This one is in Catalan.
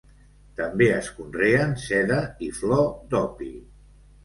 També es conreen seda i flor d'opi.